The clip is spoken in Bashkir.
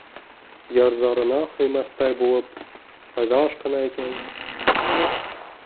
Ярҙарына һыймаҫтай булып ҡайҙа ашҡына икән?